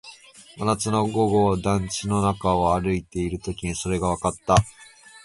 真夏の午後、団地の中を歩いているときにそれがわかった